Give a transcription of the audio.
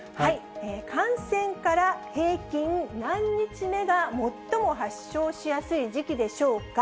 感染から平均何日目が最も発症しやすい時期でしょうか？